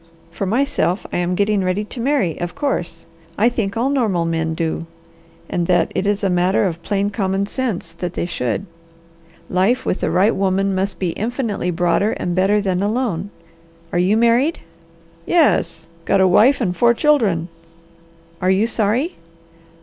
For myself, I am getting ready to marry, of course. I think all normal men do and that it is a matter of plain common sense that they should. Life with the right woman must be infinitely broader and better than alone. Are you married?" "Yes. Got a wife and four children." "Are you sorry?"